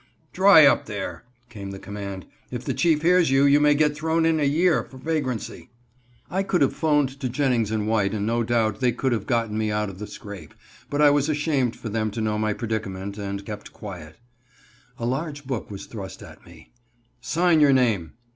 "Dry up there!" came the command. "If the Chief hears you, you may get thrown in a year for vagrancy." I could have 'phoned to Jennings & White, and no doubt they could have gotten me out of the scrape, but I was ashamed for them to know of my predicament, and kept quiet. A large book was thrust at me. "Sign your name!"